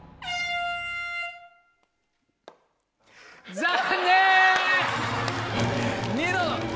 残念！